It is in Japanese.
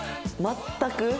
全く。